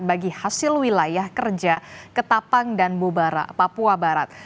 bagi hasil wilayah kerja ketapang dan mubara papua barat